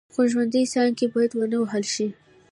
خو ژوندۍ څانګې باید ونه وهل شي.